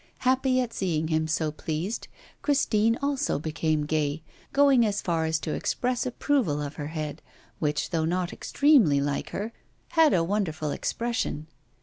Happy at seeing him so pleased, Christine also became gay, going as far as to express approval of her head, which, though not extremely like her, had a wonderful expression.